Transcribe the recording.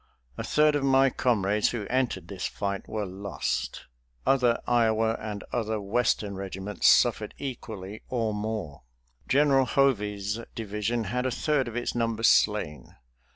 A third of my comrades who entered this fight were lost. Other Iowa and other Western regiments suffered equally or more. General Hovey's division had a third of its number slain.